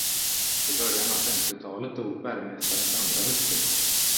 I början av femtiotalet dog bergmästarens andra hustru.